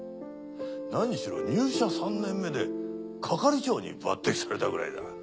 何しろ入社３年目で係長に抜てきされたくらいだ。